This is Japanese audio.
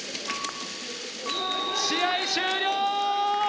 試合終了！